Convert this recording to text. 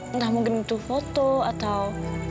entah mungkin butuh foto atau